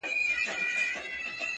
د ښکلیو نجونو شاپېریو وطن!